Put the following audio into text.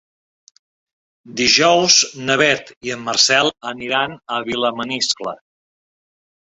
Dijous na Beth i en Marcel aniran a Vilamaniscle.